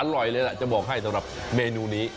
อร่อยเลยล่ะจะบอกให้สำหรับเมนูนี้